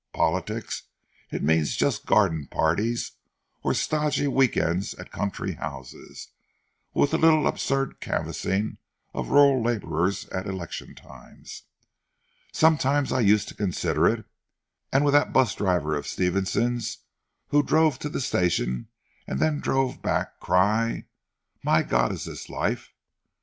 Politics? it means just garden parties or stodgy week ends at country houses, with a little absurd canvassing of rural labourers at election times. Sometimes I used to consider it, and with that bus driver of Stevenson's who drove to the station and then drove back, cry 'My God is this life!'